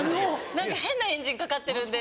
何か変なエンジンかかってるんで。